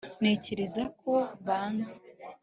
ntekereza ko banzi